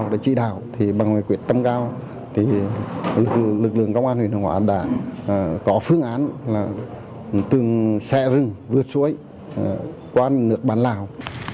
đã chỉ đạo thì bằng quyết tâm cao thì lực lượng công an huyền hóa đã có phương án từng xe rừng vượt suối qua nước bản lào